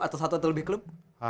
atau satu atau lebih klub